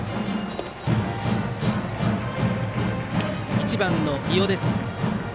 １番の伊尾です。